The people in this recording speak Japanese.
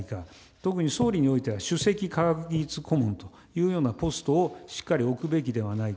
特に総理においては、首席科学技術顧問というようなポストをしっかり置くべきではないか。